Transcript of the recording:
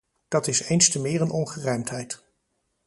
Dat is eens te meer een ongerijmdheid.